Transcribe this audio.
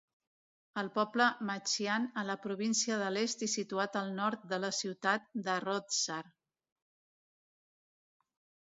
El poble "Machian" a la província de l'est i situat al nord de la ciutat de Roodsar.